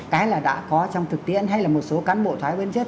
cái là đã có trong thực tiễn hay là một số cán bộ thoái vấn chất